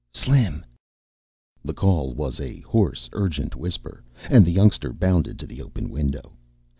"Slim!" The call was a hoarse, urgent whisper, and the youngster bounded to the open window.